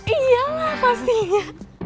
iya lah pastinya